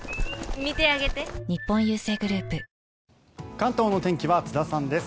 関東のお天気は津田さんです。